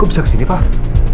kok bisa kesini pak